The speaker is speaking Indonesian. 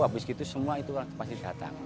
habis itu semua itu pasti datang